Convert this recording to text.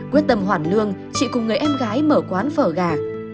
quyết tâm hoàn lương chị cùng người em gái mở quán phở gà